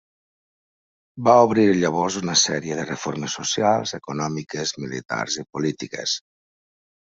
Va obrir llavors una sèrie de reformes socials, econòmiques, militars i polítiques.